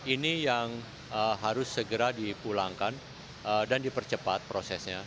ini yang harus segera dipulangkan dan dipercepat prosesnya